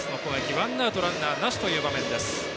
ワンアウト、ランナーなしという場面です。